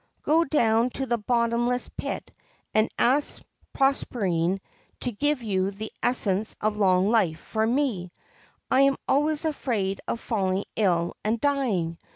' Go down to the bottomless pit and ask Proserpine to give you the Essence of Long Life for me ; I am always afraid of falling ill and dying.